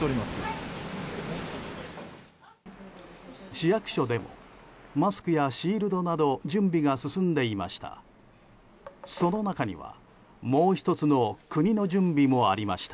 市役所でもマスクやシールドなど準備が進んでいました。